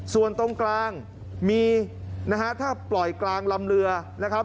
ส่วนตรงกลางมีนะฮะถ้าปล่อยกลางลำเรือนะครับ